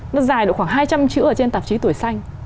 nó dài được khoảng hai trăm linh chữ ở trên tạp chí tuổi xanh